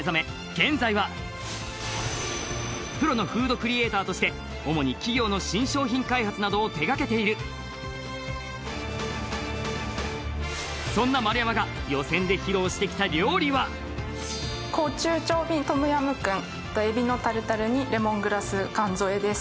現在はプロのフードクリエイターとして主に企業の新商品開発などを手がけているそんな丸山が予選で披露してきた料理は口中調味トムヤムクンとエビのタルタルにレモングラスかん添えです